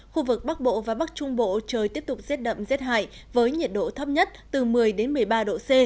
khu vực bắc bộ và bắc trung bộ trời tiếp tục rét đậm rét hại với nhiệt độ thấp nhất từ một mươi một mươi ba độ c